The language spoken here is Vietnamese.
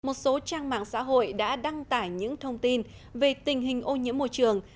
một số trang mạng xã hội đã đăng tải những thông tin về tình hình ô nhiễm môi trường